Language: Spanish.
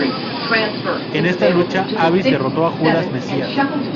En esta lucha, Abyss derrotó a Judas Mesías.